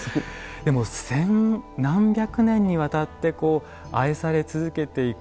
でも千何百年にわたって愛され続けていく。